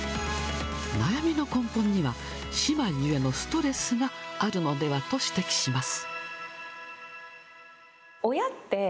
悩みの根本には、姉妹ゆえのストレスがあるのではと指摘します。